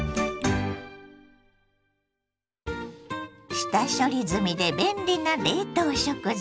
下処理済みで便利な冷凍食材